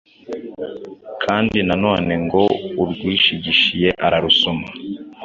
Kandi nanone ngo: “Urwishigishiye ararusoma”.